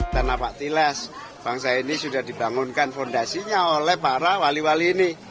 tanah pak tilas bangsa ini sudah dibangunkan fondasinya oleh para wali wali ini